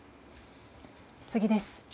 次です。